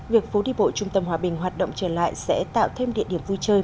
việc phố đi bộ trung tâm hòa bình hoạt động trở lại sẽ tạo thêm địa điểm vui chơi